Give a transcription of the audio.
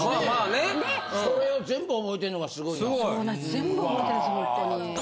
全部覚えてるんですほんとに。